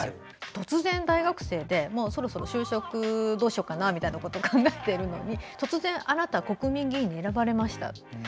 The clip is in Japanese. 突然、大学生でもうそろそろ就職どうしようかなということを考えているのに突然、あなたは国民議員に選ばれましたよと。